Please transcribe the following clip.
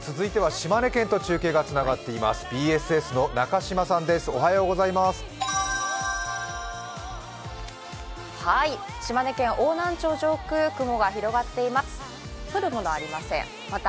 島根県邑南町上空雲が広がっています。